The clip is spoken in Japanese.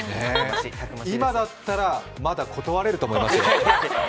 今だったらまだ断れると思いますよ。